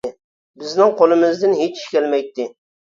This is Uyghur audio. بىزنىڭ قولىمىزدىن ھېچ ئىش كەلمەيتتى.